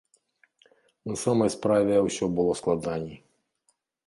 На самай справе ўсё было складаней.